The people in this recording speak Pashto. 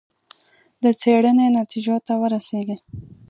د څېړنې نتیجو ته ورسېږي.